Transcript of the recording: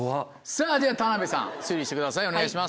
さぁでは田辺さん推理してくださいお願いします。